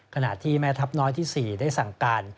ขณะที่แม่ทัพน้อยที่๔ได้สั่งการ